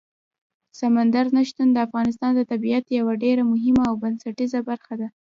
سمندر نه شتون د افغانستان د طبیعت یوه ډېره مهمه او بنسټیزه برخه ده.